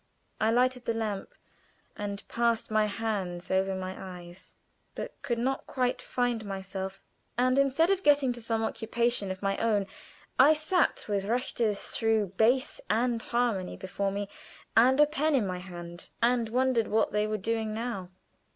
I lighted the lamp, and passed my hands over my eyes; but could not quite find myself, and instead of getting to some occupation of my own, I sat with Richter's "Through Bass and Harmony" before me and a pen in my hand, and wondered what they were doing now.